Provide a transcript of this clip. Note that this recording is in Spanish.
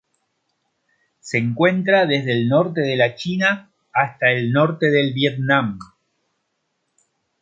Se encuentra desde el norte de la China hasta el norte del Vietnam.